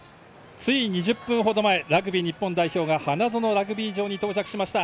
つい２０分ほど前ラグビー日本代表が花園ラグビー場に到着しました。